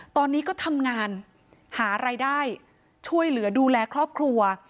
ตอนนี้ก็ทำงานหารายได้ช่วยเหลือดูแลครอบครัว